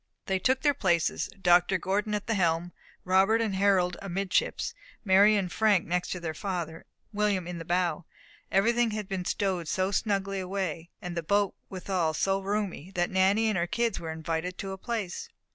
They took their places, Dr. Gordon at the helm, Robert and Harold amidships, Mary and Frank next to their father, and William in the bow. Everything had been stowed so snugly away, and the boat was withal so roomy, that Nanny and her kids were invited to a place.